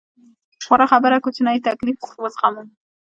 غوره خبره کوچنی تکليف وزغمو.